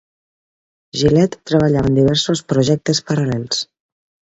Gillette treballava en diversos projectes paral·lels.